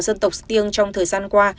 dân tộc sơ tiêng trong thời gian qua